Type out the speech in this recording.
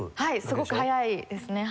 すごく速いですね。